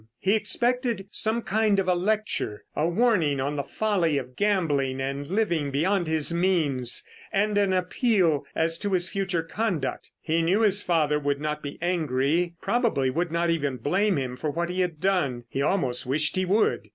He expected some kind of a lecture, a warning on the folly of gambling and living beyond his means, and an appeal as to his future conduct. He knew his father would not be angry, probably would not even blame him for what he had done. He almost wished he would.